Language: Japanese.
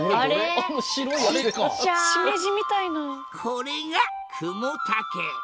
これがクモタケ。